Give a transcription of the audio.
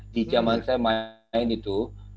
di zaman saya main itu